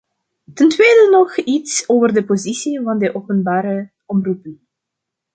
Ten tweede nog iets over de positie van de openbare omroepen.